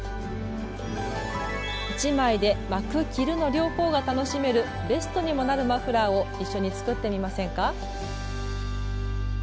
１枚で巻く・着るの両方が楽しめるベストにもなるマフラーを一緒に作ってみませんか？